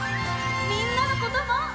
みんなのことも。